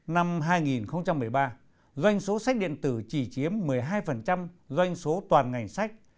năm hai nghìn một mươi ba doanh số sách điện tử chỉ chiếm một mươi hai doanh số toàn ngành sách